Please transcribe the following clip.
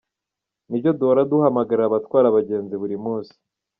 Nibyo duhora duhamagarira abatwara abagenzi buri munsi.